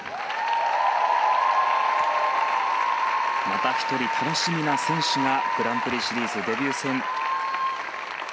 また１人、楽しみな選手がグランプリシリーズデビュー戦。